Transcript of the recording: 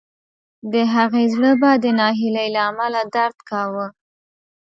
د هغې زړه به د ناهیلۍ له امله درد کاوه